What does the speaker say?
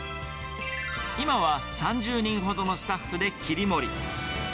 今は３０人ほどのスタッフで切り盛り。